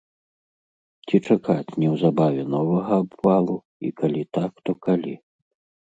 Ці чакаць неўзабаве новага абвалу і калі так, то калі?